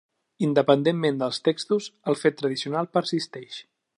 Independentment dels textos, el fet tradicional persisteix.